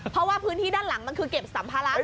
เพราะว่าพื้นที่ด้านหลังมันคือเก็บสัมภาระ